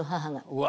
うわ。